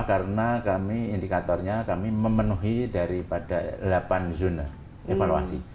karena kami indikatornya kami memenuhi daripada delapan zone evaluasi